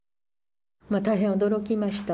大変驚きました。